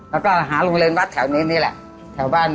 แล้วก็หาโรงเรียนวัดแถวนี้นี่แหละ